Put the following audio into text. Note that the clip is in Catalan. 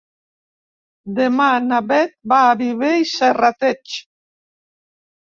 Demà na Bet va a Viver i Serrateix.